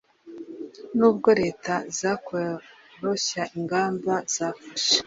nubwo leta zakoroshya ingamba zafashe